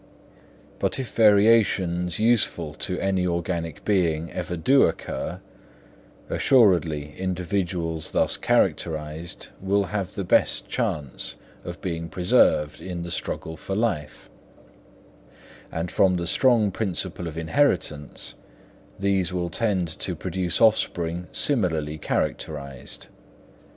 But if variations useful to any organic being ever do occur, assuredly individuals thus characterised will have the best chance of being preserved in the struggle for life; and from the strong principle of inheritance, these will tend to produce offspring similarly characterised.